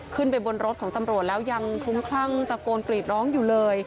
ขึ้นไปบนรถของตำรวจแล้วยังคลุ้มคลั่งตะโกนกรีดร้องอยู่เลย